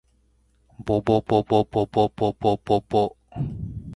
ぼぼぼぼぼぼぼぼぼぼ